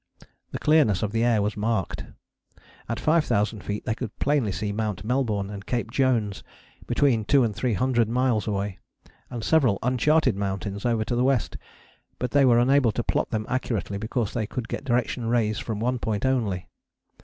The clearness of the air was marked. At 5000 feet they could plainly see Mount Melbourne and Cape Jones, between two and three hundred miles away, and several uncharted mountains over to the west, but they were unable to plot them accurately because they could get direction rays from one point only.